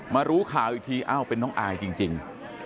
มารู้ข่าวอีกทีเป็นน้องอายจริง